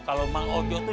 kalau bang ojo tuh